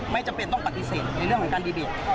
จำเป็นต้องปฏิเสธในเรื่องของการดีเดต